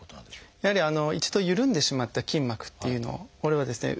やはり一度ゆるんでしまった筋膜っていうのをこれをですね